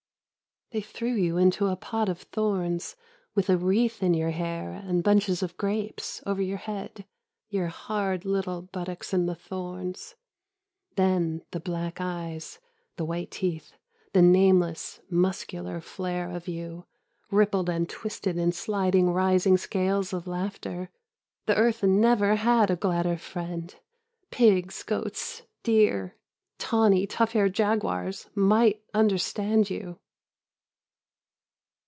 They threw you into a pot of thorns with a wreath in your hair and bunches of grapes over your head — your hard little buttocks in the thorns — then the black eyes, the white teeth, the nameless muscular flair of you, rippled and twisted in sliding rising scales of laughter; the earth never had a gladder friend; pigs, goats, deer, tawny tough haired jaguars might understand you.